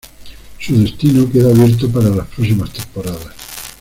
Su destino queda abierto para las próximas temporadas.